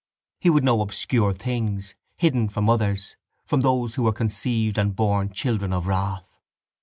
He would know obscure things, hidden from others, from those who were conceived and born children of wrath.